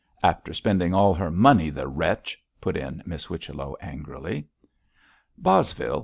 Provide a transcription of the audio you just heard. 'After spending all her money, the wretch!' put in Miss Whichello, angrily. 'Bosvile!'